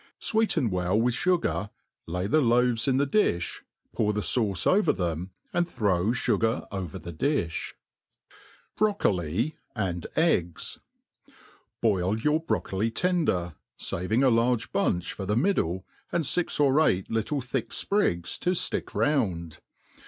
Sweeten well with fugar, lay the loaves in the di(h, pour the fauce om them, and throw fugar over the difh. Broccoli and Eg^s^ BOIL your broccoli tender, faving a large bunch for the middle, and fix or eight little thick fprigs to ftick round.